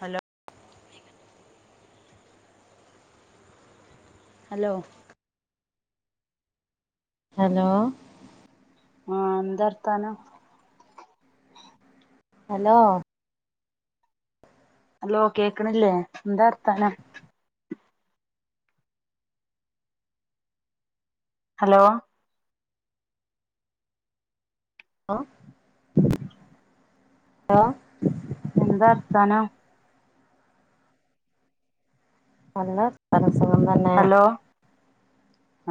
Hello hello hello ആഹ്‌ എന്താ വർത്താനം ഹലോ ഹലോ കേക്ക്ണില്ലേ എന്താ വർത്താനം ഹലോ ലോ [inaudible] ഹലോ എന്താ വർത്താനം നല്ല വർത്താനം സുഖം തന്നെ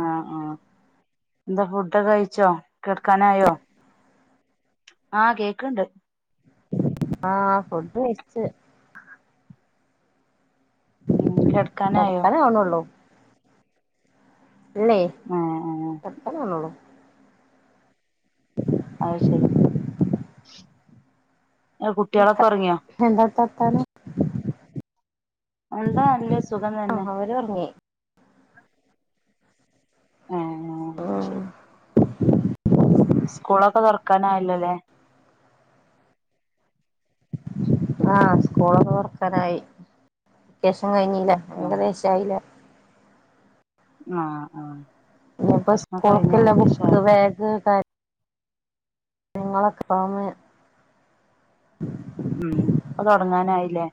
ആഹ്‌ ആഹ എന്താ ഫുഡൊക്കെ കഴിച്ചോ കെടക്കാനായോ ആഹ് കേക്ക്ണ്ട് ആഹ് ഫുഡ് കയിച്ച് ഉം കിടക്കാനായോ കെടക്കാനാവ്ണൊള്ളൂ ഇല്ലേ ആഹ് ആഹ് കെടക്കാനാവ്ണൊള്ളു അയ്ശെരി ങ്ങളെകുട്ടികളൊക്കെ ഒറങ്ങിയോ എന്താപ്പ വർത്താനം എന്താ നല്ലസുഖം തന്നെ. ഓല് ഒറങ്ങി. ഏ ഉം സ്കൂളൊക്കെ തൊറക്കാനായല്ലോല്ലേ ആ സ്കൂളൊക്കെ തൊറക്കാനായി വെക്കേഷൻ കഴിഞ്ഞിലേ ആഹ് ഏകദേശായില്ലേ ആ ആ ഇനിയിപ്പ സ്കൂൾക്കുള്ള ബുക്ക് ബാഗ് നിങ്ങളൊക്കെ ആമേ ഉം അപ്പൊ തൊടങ്ങാനായില്ലേ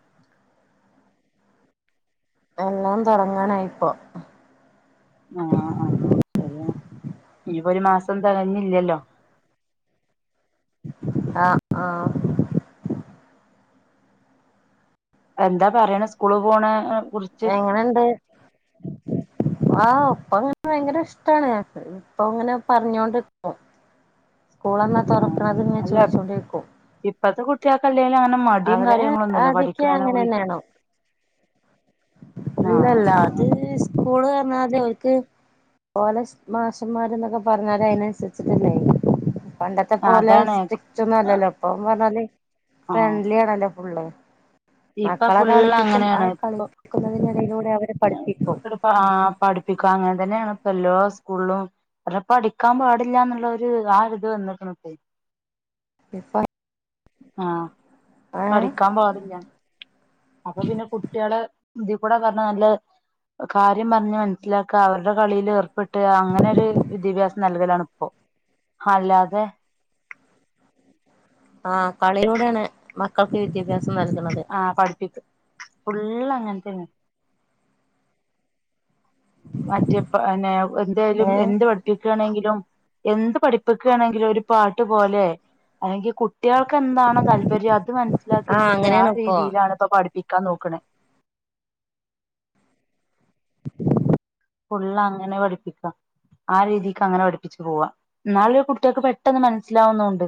എല്ലാം തൊടങ്ങാനായിപ്പൊ ആ ആ ശെരിയാ ഇനിപ്പോ ഒരു മാസം തെകഞ്ഞില്ലല്ലോ ആ ആ എന്താ പറേണേ സ്കൂളീപോണേ കുറിച്ച് എങ്ങനെണ്ട് ആ ഒപ്പങ്ങനെ ഭയങ്കര ഇഷ്ട്ടാണ് രാത്രി ഇപ്പൊ ഇങ്ങനെ പറഞ്ഞോണ്ടിരിക്കും സ്കൂൾ എന്നാ തൊറക്കണത് ഇങ്ങനെ അല്ല ചോയിച്ചോണ്ടിരിക്കും ഇപ്പത്തെ കുട്ടികൾക്ക് അല്ലേലും അങ്ങനെ മടിയും അവര് കാര്യങ്ങളൊന്നുമില്ല ആദ്യൊക്കെ പഠിക്കണേനെ അങ്ങനെ കുറിച്ച് തന്നെയാണോ ആഹ് ഇല്ലല്ല ആഹ് അത് സ്കൂൾ കാരണാത് ഓൽക്ക് ഓലെ മാഷന്മാരൊന്നൊക്കെ പറഞ്ഞാല് അതിനനുസരിച്ചിട്ടല്ലേ പണ്ടത്തെ പോലെ അതാണ് സ്ട്രിക്റ്റ് ഒന്നും അല്ലല്ലോ ഇപ്പൊന്ന് പറഞ്ഞാല് ആഹ് ഫ്രണ്ട്ലി ആണല്ലോ ഫുള്ള് ഇപ്പൊ മക്കളെ ഫുള്ള് കളിപ്പിക്കും ആ അങ്ങനെയാണ് ഇപ്പൊ കളിപ്പിക്കുന്നതിനിടയിലൂടെ അവര് പഠിപ്പിക്കും ആ പഠിപ്പിക്കും അങ്ങനെ തന്നെയാണ് ഇപ്പ എല്ലാ സ്കൂളിലും അവരിപ്പ അടിക്കാൻ പാടില്ലാ എന്നുള്ളൊരു ആ ഒരിത് വന്നിക്കണ് ഇപ്പേ ഇപ്പ ആ ഏ പ്പഅടിക്കാൻ പാടില്ല അപ്പപിന്നെ കുട്ടികള് ഇതിക്കുടെ കെടന്നു നല്ല കാര്യം പറഞ്ഞുമനസ്സിലാക്യാ അവരുടെ കളീല് ഏർപ്പെട്ട് അങ്ങനൊരു വിദ്യാഭ്യാസം നൽകലാണിപ്പോ അല്ലാതെ ആ കളിയിലൂടെയാണ് മക്കൾക്ക് വിദ്യാഭ്യാസം നൽകുന്നത് ആ പഠിപ്പിക്കും ഫുള്ള് അങ്ങനെത്തന്നെ മറ്റേപ്പ പിന്നെ എന്തേലും ഏ എന്ത് പഠി പ്പിക്കുവാണെങ്കിലും എന്തു പഠിപ്പിക്കുയാണെങ്കിലും ഒരു പാട്ടുപോലെ ആണെങ്കി കുട്ട് കുട്ടികൾക്ക് എന്താണോ താല്പര്യം അതുമനസ്സിലാക്കിയെടുത്തിട്ട് ആ അങ്ങനെയാണ് ഇപ്പോ രീതിയിലാണ് ഇപ്പൊ പഠിപ്പിക്കാൻ നോക്കണേ ഫുള്ള് അങ്ങനെ പഠിപ്പിക്കാം ആ രീതിക്ക് അങ്ങനെ പഠിപ്പിച്ചുപോവാം എന്നാല് കുട്ടികൾക്ക് പെട്ടെന്ന് മനസ്സിലാവുന്നൊണ്ട്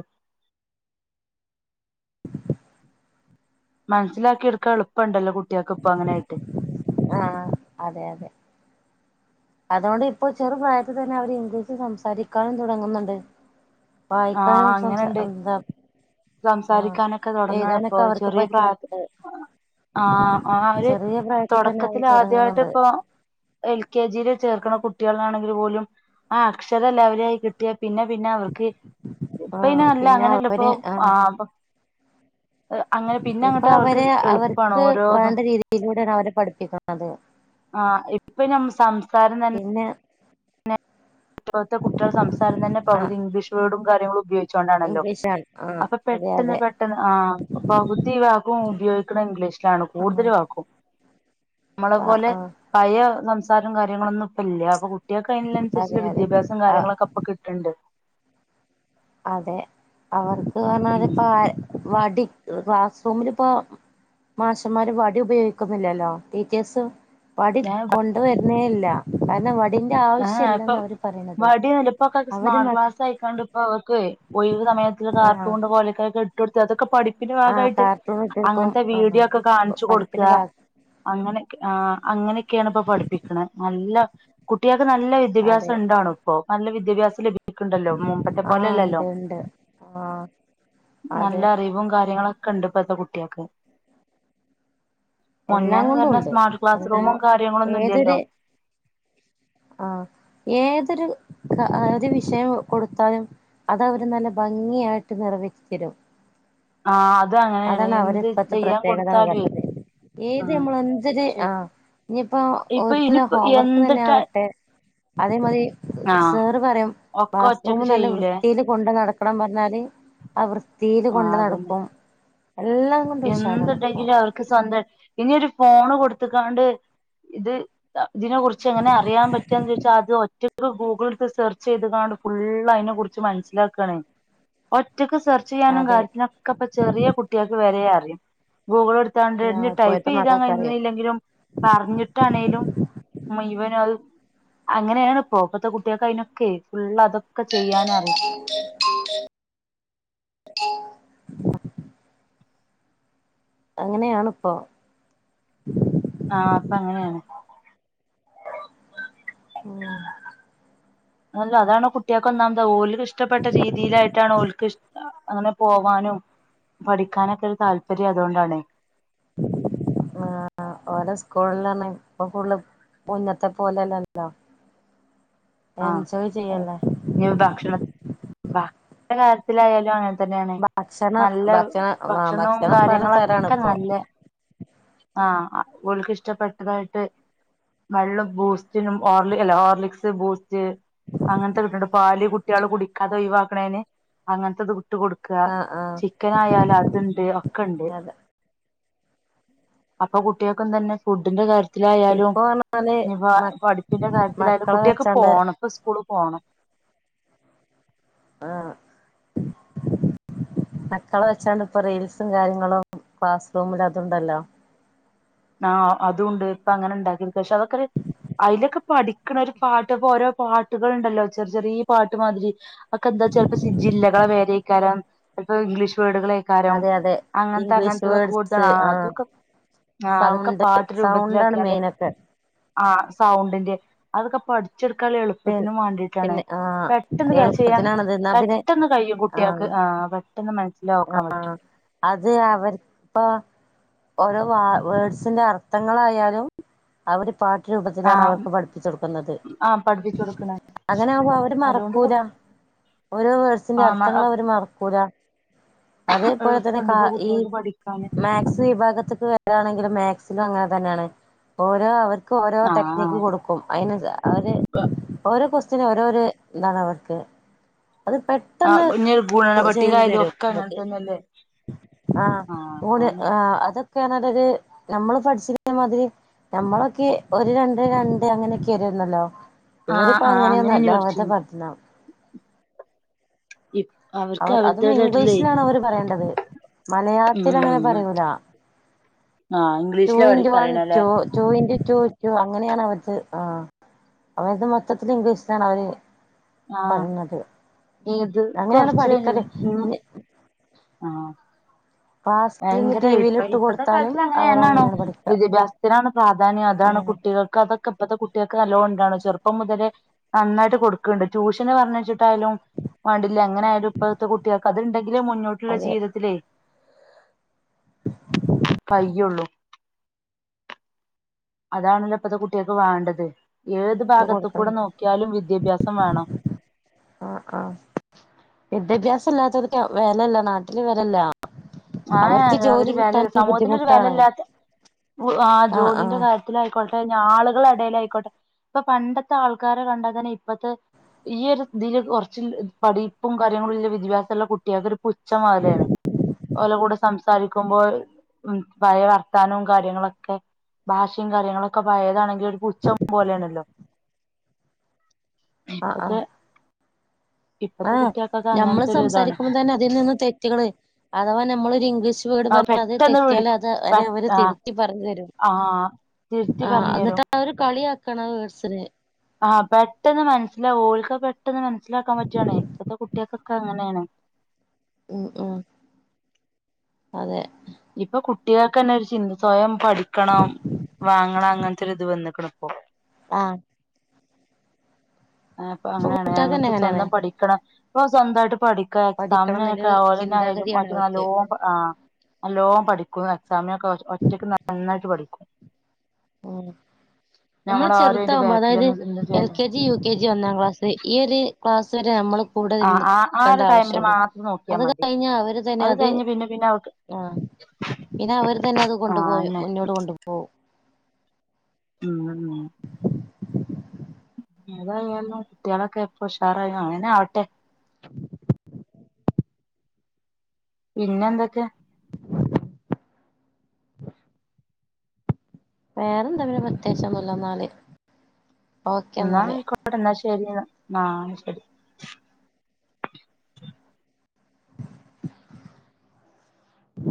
മനസ്സിലാക്കിയെടുക്കാൻ എളുപ്പോണ്ടല്ലോ കുട്ടികൾക്ക് ഇപ്പൊ അങ്ങനെയായിട്ട് ആ അതെ അതെ അതുകൊണ്ട് ഇപ്പോ ചെറുപ്രായത്തിതന്നെ അവര് ഇംഗ്ലീഷ് സംസാരിക്കാനും തുടങ്ങുന്നുണ്ട് ആ വായിക്കാനും സംസാ അങ്ങനൊണ്ട് എന്താ ആഹ് സംസാരിക്കാനൊക്കെ തൊടങ്ങാണിപ്പോ എഴുതാനൊക്കെ അവർക്ക് ചെറിയ പ്രായ പറ്റുന്നുണ്ട് ആ അവര് ചെറിയ പ്രായത്തിൽ തന്നെ അവര് തുടങ്ങുന്നുണ്ട് തൊടക്കത്തിലാദ്യായിട്ടിപ്പൊ എൽ കെ ജിയില് ചേർക്കണ കുട്ടികളാണെങ്കില് പോലും ആ അക്ഷരം ലെവലായി കിട്ടിയാ പിന്നെ പിന്നെ അവർക്ക് ഇപ്പയിനി ആഹ് അല്ല പിന്നെ അങ്ങനെയല്ല ഇപ്പൊ അവര് ആഹ് [unintelligible] അങ്ങനെ പിന്നെ ഇപ്പൊ അങ്ങോട്ട് അവർക്ക് അവരെ എളുപ്പമാണ് അവർക്ക് ഓരോന്നും വേണ്ടരീതിയിലൂടെയാണ് അവരെ പഠിപ്പിക്കണത് ആഹ് ഇപ്പ ഞമ്മ സംസാരം തന്നെ പിന്നെ ഇപ്പത്തെ കുട്ട്യളെ സംസാരംതന്നെ ആഹ് പകുതി ഇംഗ്ലീഷ് വേർഡും കാര്യങ്ങളും ഉപയോഗിച്ചുകൊണ്ടാണല്ലോ ഇംഗ്ലീഷാണ് ആഹ് അപ്പം അതെ പെട്ടെന്ന് അതെ പെട്ടെന്ന് ആ പകുതി വാക്കും ഉപയോഗിക്കണഇംഗ്ലീഷിലാണ് ആഹ് കൂടുതൽ വാക്കും നമ്മളെ ആഹ് പോലെ ആഹ് പഴയ സംസാരം കാര്യങ്ങളൊന്നും ഇപ്പ ഇല്ല്യാ ഇപ്പ കുട്ട്യേക്ക് അയ്ന്ല്ല അതെ അനുസരിച്ചുള്ള വിദ്യാഭ്യാസം അതെ കാര്യങ്ങളൊക്കെ ഇപ്പ കിട്ട്ണ്ട് അതെ അവർക്ക് ഉം പറഞ്ഞാലപ്പ വടി ക്ലാസ്റൂമിലിപ്പോ മാഷമാര് വടി ഉപയോഗിക്കുന്നില്ലല്ലോ ടീച്ചേഴ്സ് വടി ഞാൻ കൊണ്ട് വരുന്നേല്ല കാരണം വടിന്റെ ഏ ഇപ്പൊ ആവശ്യല്ലന്ന് അവര് പറയണത് അവര് മ സ്സായികാണ്ട്പ്പ അവർക്ക് ഒഴിവ്സമയത്ത് ആഹ് കാർട്ടൂണ്പ്പോലെ ഇട്ടൊട്ത്ത് അതൊക്കെ പഠിപ്പിന്റെ ആഹ് ഭാഗായിട്ട് കാർട്ടൂൺ ഇട്ട് കൊടുക്കും അങ്ങൻത്തെ ആഹ് വീഡിയോക്കെ കാണിച്ചു കൊടുക്ക പഠിപ്പിന്റെ ഭാഗ അങ്ങനെക്കെ ആ അങ്ങനെയൊക്കെയാണ് ഇപ്പൊ പഠിപ്പിക്കണ നല്ല കുട്ട്യേക്ക് നല്ല വിദ്യാഭ്യാസം അതെ ഇണ്ടാണ്പ്പോ നല്ല വിദ്യാഭ്യാസം ലഭിക്കുണ്ടല്ലോ മുമ്പത് ത്തെ ആഹ് പോലെല്ലല്ലോ ഉണ്ട് ഉണ്ട് ആഹ് നല്ല അതെ അറിവും കാര്യങ്ങളക്കെ ക്കെണ്ട് ഇപ്പത്തെ കുട്ട്യേക്ക് എല്ലാം മുന്നേന്ന് കൊണ്ടും പറഞ്ഞ ഉണ്ട് സ്മാർട്ട് ക്ലാസ് എല്ലാ റൂമും കാര്യങ്ങളൊന്നുല്ലല്ലോ ഏതൊരു ആഹ് ഏതൊരു ക അ ഒര് വിഷയംകൊടുത്താലും അത് അവര് നല്ല ഭംഗിയായിട്ട് നിറവേറ്റിതരും ആഹ് അതാണ് അതാണ് അവര് ഇപ്പത്തെ പ്രത്യേകത പറഞ്ഞത് ആ ഏത് നമ്മള് എന്തൊര് ശരി ആ ഇഞ്ഞിപ്പോ ഇപ്പൊ ഓരിക്കില്ല ഇനിപ്പോ ഹോംവർക്ക് തന്നെ എന്തിട്ടാ ആവട്ടെ അതേ മതി ആ സേറ് പറിം ഒക്കെ ബാസ്റൂം ഒറ്റക്ക് നല്ല ചെയ്യൂലേ വൃത്തിയില് കൊണ്ട് നടക്കണം പറഞ്ഞാല് ആ വൃത്തീല് കൊണ്ട്നടക്കും എല്ലാം കൊണ്ടും ഉഷാറാണ് ഇപ്പോ എന്ത്‌ണ്ടെങ്കിലും അവർക്ക് സ്വന്തം ഇനിയൊരു ഫോണ് കൊടുത്തക്കാണ്ട് ഇത് ഇതിനെ കുറിച്ച് എങ്ങനെ അറിയാ പറ്റാന്ന് ചോദിച്ചാൽ അത് ഒറ്റക്ക് ഗൂഗിൾ സെർച്ച് ചെയ്ത് കാണും ഫുള്ള് അയിനെ കുറിച്ച് മനസ്സിലാക്കണേ ഒറ്റക്ക് സേർ ചെയാനും അതെ കാര്യത്തിനൊക്കെ ഇപ്പ ചെറിയ കുട്ട്യേക്ക് വരെഅറിയും ഗൂഗിൾ എടു ത്താണ്ട് ഇഞ് ഇപ്പോഴത്തെ മക്കൾക്കറിയും ടൈപ്പ്യ്താകഴിഞ്ഞില്ലെങ്കിലും പറഞ്ഞിട്ടാണേലും മുഴുവനും അത് അങ്ങനെയാണ്പ്പോ ഇപ്പത്തെകുട്ട്യേക്ക് അയിനൊക്കെ ഫുള് അതൊക്കെചെയ്യാനറിം അങ്ങനെയാണിപ്പൊ ആഹ് ഇപ്പൊ അങ്ങനെയാണ് ഉം അല്ല അതണ് കുട്ട്യേക്കൊന്നാമത് ഓൽക്ക് ഇഷ്ടപ്പെട്ട രീതിയിലായിട്ടാണ് ഓല്ക്ക് അങ്ങനെ പോവാനും പഠിക്കാനൊക്കെ ഒരു താല്പര്യംഅതോണ്ടാണ് ആഹ് ഓരോ സ്കൂളിലാണെ ഇപ്പ ഫുള്ള് മുന്നത്തെ പോലെല്ലല്ലോ ആഹ് എൻജോയ് അ ചെയ്യല്ലേ ഇഞ്ഞി ഭക്ഷണ ഭ കാര്യത്തിലായാലും അങ്ങൻ തന്നേണ് ഭക്ഷണം നല്ല ഭക്ഷണം ആഹ് ഭക്ഷണവും ഭക്ഷണം പലതരാണ് കാര്യങ്ങളൊക്കെ ഇപ്പോ നല്ലേ ആഹ് ഓൽക്ക് ഇഷ്ടപ്പെട്ടതായിട്ട് വെള്ളും ബൂസ്റ്റിനും ഓർലി അല്ല ഓർലിക്സ് ബൂ സ്റ്റ് അങ്ങൻത്തെകിട്ടണ്ട് പാല് കുട്ട്യേള് കുടിക്കാതെ ഒഴിവാക്കണേന് അങ്ങനത്തെത് ഇട്ട് കൊടു ക്ക ആഹ് ആഹ് ചിക്കൻ ആയാലും അതുണ്ട് ഒക്കെണ്ട് അതെ അപ്പൊ കുട്ട്യേക്കും തന്നെ ഫുഡിന്റെ കാര്യ ത്തിലായാലും ഇപ്പൊ പറഞ്ഞാല് ഇനി മ പഠിപ്പിന്റെ കാര്യത്തിലായാലും മക്കളെ കുട്ട്യേക്ക് വെച്ചാണ്ട് പോണം ഇപ്പ സ്കൂളിപോണം ആഹ് മക്കളെ വെച്ചാണ്ട്പ്പൊ റീൽസും കാര്യങ്ങളും ക്ലാസ്റൂമില് അത്ണ്ടല്ലോ ആ അതൂണ്ട് ഇപ്പൊ അങ്ങനെ ഉണ്ടാക്കിരിക്ക പക്ഷെ അതൊക്കൊര് അതിലൊക്കെ പഠിക്കണ ഒരു പാട്ട് ഇപ്പോ ഓരോ പാട്ടുകൾുണ്ടല്ലോ ചെറിയ ചെറിയ പാട്ട് മാതിരി. ഒക്കെ എന്താ ചിലപ്പോ ജില്ലകളെ പേരായിക്കാരം. ചിലപ്പോ ഇംഗ്ലീഷ് വേഡുകളാ കാരം അതെ അതെ അങ്ങനത്തെ ഇംഗ്ലീഷ് അങ്ങനത്തെ വേർഡ്സ് കൂടുതലാണ് ആഹ് അതൊക്കെ ആ അതൊക്കെ സൗണ്ട് പാട്ട് സൗണ്ടാണ് രൂപത്തിലാക്കിയന്റെ മെയിനൊക്കെ ആ സൗണ്ടിന്റെ അതൊക്കെ പഠിച്ചെടുക്കാനുള്ള പി എളുപ്പത്തിനും വേണ്ടിയിട്ടാണ്. പിന്നെ ആഹ് പെട്ടെന്ന് കേച്ച് ചെയ്യാൻ എളുപ്പത്തിനാണത് എന്നാ പിന്നെ പെട്ടെന്ന് കഴിയും കുട്ടികൾക്ക് ആഹ് ആ പെട്ടെന്ന് മനസ്സിലാക്കാൻ പറ്റും. അത് അവർ ഇപ്പൊ ഓരോ വ വേഡ്സിന്റെ അർത്ഥങ്ങളായാലും. അവര് പാട്ടു രൂപത്തിലാണ് ആ അവർക്ക് പഠിപ്പിച്ചൊടുക്കുന്നത്. ആഹ് പഠിപ്പിച്ചു കൊടുക്കണേ അങ്ങനെ ആകുമ്പോ അവര് അതുകൊണ്ട് കു മറക്കൂല ഓരോ വേട്സിന്റെ അർത്ഥങ്ങള് ആഹ് അവര് മറക്കൂല. അതേപോലെ തന്നെ എളുപ്പുണ്ട് കാ ഇപ്പൊ ഈ കുട്ടികൾക്ക് പഠിക്കാന് മാക്സ് വിഭാഗത്ത്ക്ക്. ണെങ്കിൽ മോക് ഷിലും അങ്ങനെ തന്നെയാണ് ഓരോ അവർക്ക് ഓരോ ആഹ് ടെക്നിക്ക് കൊടുക്കും. അതിന് അവര് ഓരോ ഗുക്സ്റ്റന് ഓരോ ഇതാണ് അവർക്ക്. അത് പെ ആഹ് പെട്ടെന്ന് ഇഞ്ഞ് ഗുണന ചെയ്തു പട്ടികായാലും തരും. ഒക്കെ അങ്ങനെ നമക് തന്നെയല്ലേ ആഹ് ഒന് ആ അതൊക്കെ കേത് നമ്മള് പഠിച്ചി മാതിരി. നമ്മളൊക്കെ ഒരു രണ്ട് രണ്ട് അങ്ങനെയൊക്കെ വരുന്നല്ലോ. ആഹ് ഇവരിപ്പോ ആഹ് അങ്ങനെയൊന്നല്ല അങ്ങനെനി അവരെ പഠിച്ചിന് പഠനം ഇപ് അവ അവർക്ക് അതും അവരുടേതായിട്ടുള്ളേ ഇംഗ്ലീഷിലാണ് അവര് പറയണ്ടത്. മലയാളത്തി അങ്ങനെ ഉം പറയൂല. ആഹ് ടു ഇംഗ്ലീഷ്ല അവര് ഇൻറ്റു വൺ പറയണ അല്ലേ two two into two അങ്ങനെയാണ് അവടുത്. ആ അവരത് മൊത്തത്തിൽ ഇംഗ്ലവേഷാണ്. അവര് ആഹ പറഞ്ഞത് ഇ ഇത് അങ്ങനെയാണ് കൊറച്ച് പഠിക്കല് വരുംന്ന് പിന്നെ ആഹ ക്ലാസ്സിലിന്ന് ഭയങ്കര ടി ഇപ്പ വിൽ ഇട്ട് ഇപ്പഴത്തെ കൊടുത്താലും കാലത്തിൽ അങ്ങനൊണോ അവരങ്ങനെയാണ് പഠിക്കുക വിദ്യാഭ്യാസ അത്തിതിനാണ് പ്രാധാന്യം. അതാണ് ആഹ് കുട്ടികൾക്ക് അതൊെ ഇപ്പഴത്തെ കുട്ടികൾക്ക് നല്ലതോൊണ്ടാണ് ചെറപ്പം മുതലേ നന്നായിട്ട് കൊടുക്കണ്ട്. ട്യൂഷൻ പറഞ്ഞ വെച്ചിട്ടായാലും. വാണ്ടില്ല അങ്ങനെ ആാലും ഇപ്പഴത്തെ കുട്ടികൾക്ക് അത്ണ്ടെങ്കിൽ മുന്നോട്ടുള്ള അതെ ഇത് ജീവിതത്തിലേ. കയ്യള്ളൂ. അതാണല്ലോ ഇപ്പഴത്തെ കുട്ടികക്ക് വേണ്ടത് ഏത് ഭാഗത്ത് കൂടെ കൊടുക്കണ്ട് നോക്കിയാലും വിദ്യാഭ്യാസം വേണം. ആഹ് ആഹ വിദ്യാഭ്യാസം ഇല്ലാത്തതോര്ക്ക് വലല്ല നാട്ടില് വലല്ല. ആ ഒരു വില സമൂഹത്തി ഒരു വിലയില്ലാത്ത ആ ആഹ് ജോലിന്റെ ആഹ് കാര്യ ത്തിലായിക്കോട്ടെ ആളുകള ഇടൽ ആയിക്കോട്ടെ ഇപ്പൊ പണ്ടത്തെ ആൾക്കാരെ കണ്ടാൽ തന്നെ ഇപ്പത്തെ ഈ ഒരു ഇതിൽ കുറച്ച് പഠിപ്പും കാര്യങ്ങളും ഇല്ല വിദ്യഭാസമുള്ള കുട്ടികൾക്ക് ഒരു പുച്ഛപോലയാണ്. സംസാരിക്കുമ്പോൾ ഉ പഴയ വർത്താനവും. കാര്യങ്ങളൊക്കെ ഭാഷയും കാര്യങ്ങളൊക്കെ പയതാണെങ്കിൽ ഒരു ഉച്ചം പോലെയണല്ലോ. ആ ആഹ് ഇപ്പത്തെ ആഹ് കുട്ടികൾക്കൊക്കെ നമ്മള് അങ്ങനത്തെ ഒരു ഇതാണ് സംസാരിക്കുമ്പോ തന്നെ അതിൽ നിന്ന് തെറ്റുകള്. അഥവാ നമ്മൾൊരു ഇംഗ്ലീഷ്. വോട് ആ പറഞ്ഞ അത് പെട്ടെന്ന് തെറ്റിയാൽ പിടിക്കും അത് പെ അവെ അവര് ആ തിരുത്തി പറഞ്ഞു തരും. ആ തിരുത്തി ആ പറഞ്ഞു തരും എന്നിട്ട അവ ര് കളി അക്കണ് ആവോട്സിനൊ ആഹ പെട്ടെന്ന് മനസ്സിലാവും ഓക്ക് പെട്ടെന്ന് മനസ്സിലാക്കാൻ പറ്റാണ് ഇപ്പത്തെ കുട്ടികൾക്കൊക്കെ അങ്ങനെയാണ്. ഉ ഉ അതെ ഇപ്പൊ കുട്ടികൾക്ക് തന്നെ ഒരു ചിന്ത സ്വയം പഠിക്കണം വാങ്ങണം. അങ്ങനത്തെ ഒരു ഇത് വന്നിക്ക്ണ് ഇപ്പോ. ആഹ് അപ്പൊ ഇപ്പൊ അങ്ങനെയാണ് കുട്ടികൾക്കന്നെ ഞങ്ങക്ക് അങ്ങനെയാണ് സ്വന്തം പഠിക്കണം. അപ്പൊ സ്വന്തമായിട്ട് പഠ പഠിക്കണം എക്സാമിനൊക്കെ എന്നുള്ളൊരു ഓല് നെഅയലും. ചിന്താഗതിയാണ് റ്റ നല്ലോ അവർക്ക് ആഹ നല്ലോം പഠിക്കും എക്സാമിനൊക്കെ ഒറ്റക്ക് നന്നായിട്ട് പഠിക്കും. ആ നമ്മള് നമ്മളാരും അയിന്റെ ചെറുതാവുമ്പോ അതായത് ബാക്കിലൊന്നും ഒന്നും എൽ ചെയ്യണ്ട K G U K K G ഒന്നാം ക്ലാസ്സ് ഈ ഒരു ക്ലാസ്സ് വരെ നമ്മള് കൂടെ ഇര്ന്ന് ആഹ് ആഹ് ആ നിക്കെണ്ട ഒരു ആവശ്യം ടൈമില് ഒള്ളു മാത്രം നോക്കിയാ അത് മതി കഴിഞ്ഞാ അവര് തന്നെ അത് കഴിഞ്ഞ് പിന്നെ പിന്നെ അവക്ക് ആഹ് പിന്നെ അവര് തന്നെ അത് ആഹ് കൊണ്ട്പോയോ അന്നെ മുന്നോട്ട് കൊണ്ട് പോവും ഉം ഉം എതായാലും കുട്ടിയാളൊക്കെ ഇപ്പോ ഉഷാറായി അങ്ങനെ ആവട്ടെ പിന്നെ എന്തൊക്കെ? വെറെ എന്താ പിന്നെ പ്രത്യേകിച്ച് ഒന്നും ഇല്ല ഇന്നാൽ. ഇന്നാ ആയിക്കോട്ടെ ഇന്നാ ശരിന്നാ ആഹ് ശരി ഉ